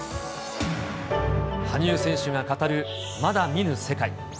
羽生選手が語るまだ見ぬ世界。